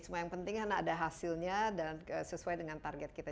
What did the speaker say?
cuma yang penting karena ada hasilnya dan sesuai dengan target kita